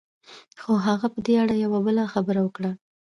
خو هغه په دې اړه يوه بله خبره وکړه.